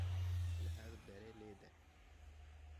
Li her derê lêde.